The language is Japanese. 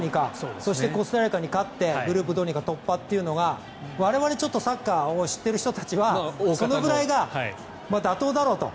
そしてコスタリカに勝ってグループをどうにか突破というのが我々、サッカーを知っている人たちはそのぐらいが妥当だろうと。